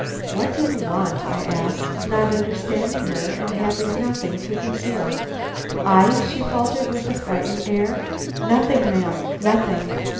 "What do you want?" I asked, not understanding her and having nothing to conceal. "I?" she faltered, with a frightened air. "Nothing, ma'am, nothing."